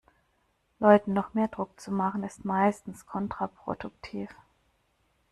Leuten noch mehr Druck zu machen, ist meistens kontraproduktiv.